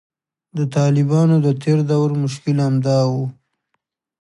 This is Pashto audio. د طالبانو د تیر دور مشکل همدا و